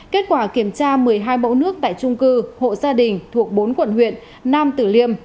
kết quả kiểm tra một mươi hai mẫu nước tại trung cư hộ gia đình thuộc bốn quận huyện nam tử liêm